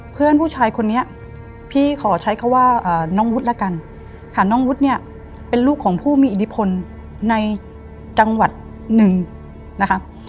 เพื่อนผู้ชายคนนี้พี่ขอใช้คำว่าน้องวุฒิละกันค่ะน้องวุฒิเนี่ยเป็นลูกของผู้มีอิทธิพลในจังหวัดหนึ่งนะคะ